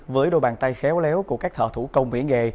với đôi bàn tay khéo léo của các thợ thủ công mỹ nghệ